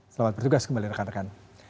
selamat bertugas kembali rekan rekan